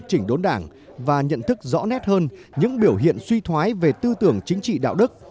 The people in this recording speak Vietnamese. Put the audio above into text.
chỉnh đốn đảng và nhận thức rõ nét hơn những biểu hiện suy thoái về tư tưởng chính trị đạo đức